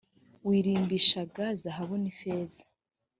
wirimbishishaga zahabu nifeza